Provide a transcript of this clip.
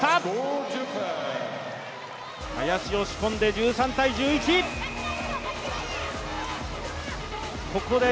林、押し込んで１３−１１。